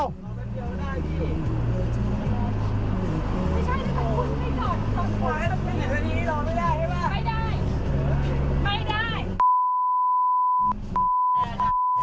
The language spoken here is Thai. รอแป๊บเดียวก็ได้พี่